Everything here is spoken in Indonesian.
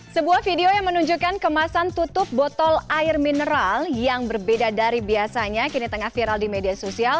sebuah video yang menunjukkan kemasan tutup botol air mineral yang berbeda dari biasanya kini tengah viral di media sosial